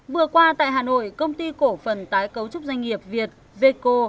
vừa qua tại hà nội công ty cổ phần tái cấu trúc doanh nghiệp việt veco